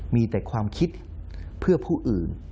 มีแต่ความคิดเพื่อผู้อื่น